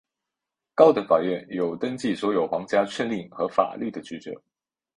高等法院有登记所有皇家敕令和法律的职责。